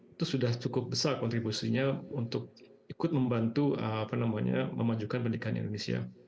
itu sudah cukup besar kontribusinya untuk ikut membantu memajukan pendidikan indonesia